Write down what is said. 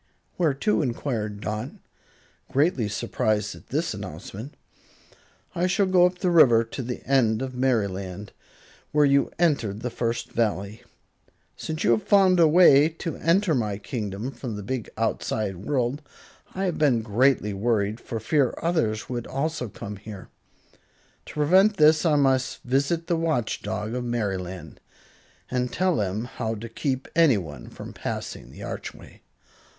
"Where to?" enquired Dot, greatly surprised at this announcement. "I shall go up the river to the end of Merryland, where you entered the First Valley. Since you have found a way to enter my kingdom from the big outside world, I have been greatly worried for fear others would also come here. To prevent this I must visit the Watch Dog of Merryland, and tell him how to keep anyone from passing the archway."